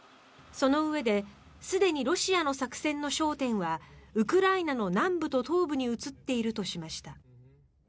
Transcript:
そのうえですでにロシアの作戦の焦点はウクライナの南部と東部に移っているとしました。